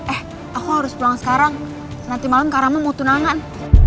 eh aku harus pulang sekarang nanti malem kak rama mau tunangan